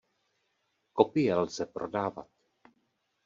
Kopie lze prodávat.